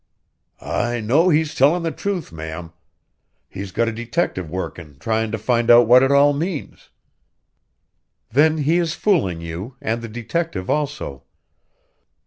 "I know he's tellin' the truth, ma'am. He's got a detective workin' tryin' to find out what it all means." "Then he is fooling you, and the detective also.